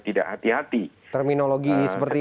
tidak hati hati terminologi seperti